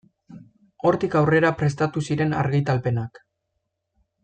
Hortik aurrera prestatu ziren argitalpenak.